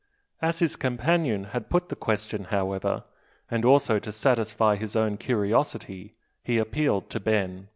As his companion had put the question, however, and also to satisfy his own curiosity, he appealed to Ben.